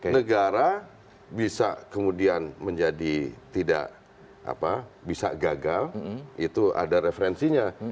negara bisa kemudian menjadi tidak bisa gagal itu ada referensinya